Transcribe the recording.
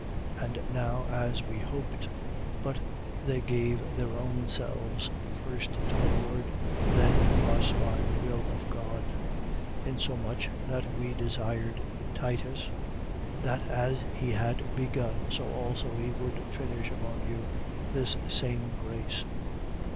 8:5. And not as we hoped: but they gave their own selves, first to the Lord, then to us by the will of God; 8:6. Insomuch, that we desired Titus, that, as he had begun, so also he would finish among you this same grace.